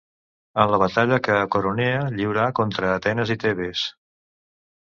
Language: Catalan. en la batalla que a Coronea lliurà contra Atenes i Tebes